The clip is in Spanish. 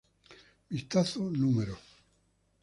Vistazo No.